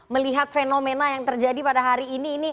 melihat fenomena yang terjadi pada hari ini